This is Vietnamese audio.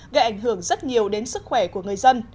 gây ảnh hưởng rất nhiều đến sức khỏe của người dân